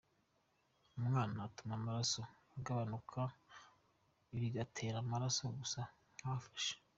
Umwuma utuma amaraso agabanuka bigatera amaraso gusa nk’afashe.